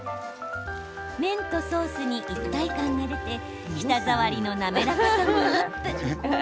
麺とソースに一体感が出て舌触りの滑らかさもアップ！